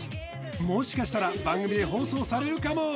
もしかしたら番組で放送されるかも？